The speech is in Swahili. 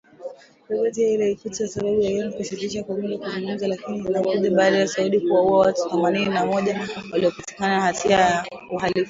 Ripoti hiyo haikutoa sababu ya Iran kusitisha kwa muda mazungumzo, lakini inakuja baada ya Saudi kuwaua watu thamanini na moja waliopatikana na hatia ya uhalifu.